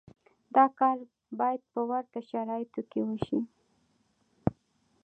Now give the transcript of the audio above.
دا کار باید په ورته شرایطو کې وشي.